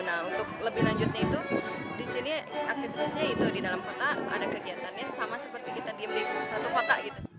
nah untuk lebih lanjutnya itu di sini aktivitasnya itu di dalam kota ada kegiatannya sama seperti kita diem di satu kota gitu